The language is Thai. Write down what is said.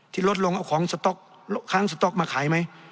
ลดลงเอาของสต๊อกค้างสต๊อกมาขายไหม